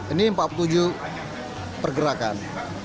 ini empat puluh tujuh pergerakan